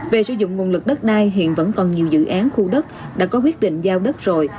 về sử dụng nguồn lực đất đai hiện vẫn còn nhiều dự án khu đất đã có quyết định giao đất rồi